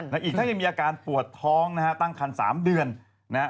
และอีกทั้งยังมีอาการปวดท้องนะฮะตั้งคัน๓เดือนนะฮะ